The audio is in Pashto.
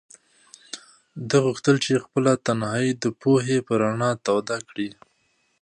ده غوښتل چې خپله تنهایي د پوهې په رڼا توده کړي.